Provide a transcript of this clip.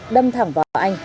đâm thẳng vào anh